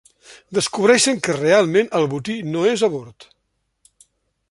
Descobreixen que realment el botí no és a bord.